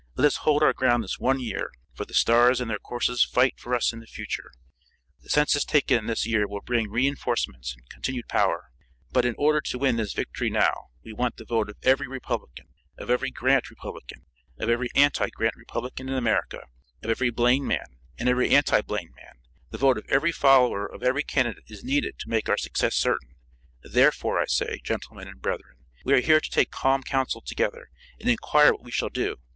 Let us hold our ground this one year, for the stars in their courses fight for us in the future. The census taken this year will bring re enforcements and continued power. But in order to win this victory now, we want the vote of every Republican, of every Grant Republican, and every anti Grant Republican in America, of every Blaine man and every anti Blaine man. The vote of every follower of every candidate is needed to make our success certain; therefore, I say, gentlemen and brethren, we are here to take calm counsel together, and inquire what we shall do.